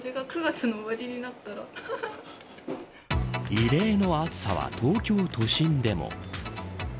異例の暑さは東京都心でも。